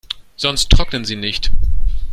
Sonst trocknen sie nicht.